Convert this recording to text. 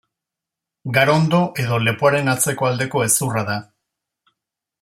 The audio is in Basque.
Garondo edo lepoaren atzeko aldeko hezurra da.